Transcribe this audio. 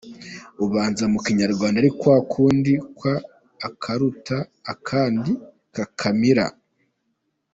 Ubanza mu Kinyarwanda ari kwakundi kw’akaruta akandi kakamira !